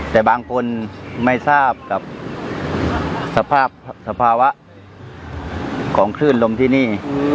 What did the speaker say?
แต่บางคนไม่ทราบกับสภาพสภาวะของคลื่นลมที่นี่